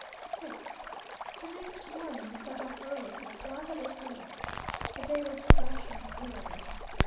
6th. The next morning we set off early to the plaza de toros. The day was fresh and exhilarating.